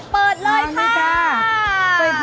เปิดเลยค่ะ